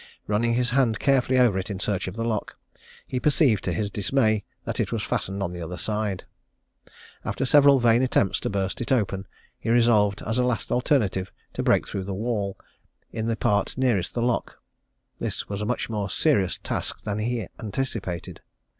Running his hand carefully over it in search of the lock, he perceived, to his dismay, that it was fastened on the other side. After several vain attempts to burst it open, he resolved, as a last alternative, to break through the wall in the part nearest the lock. This was a much more serious task than he anticipated.